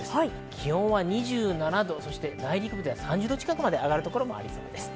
気温は２７度、内陸部では３０度近くまで上がる所もありそうです。